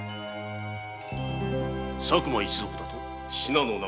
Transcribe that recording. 佐久間一族だと！？